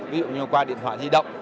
ví dụ như qua điện thoại di động